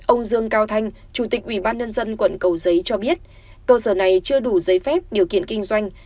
ông dương cao thanh chủ tịch ubnd quận cầu giấy cho biết cơ sở này chưa đủ giấy phép điều kiện kinh doanh